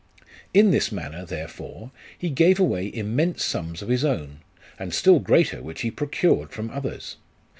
In this manner, therefore, he gave away immense sums of his own, and still greater which he procured from others.